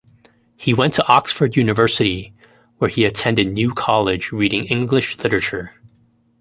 He went to Oxford University where he attended New College reading English Literature.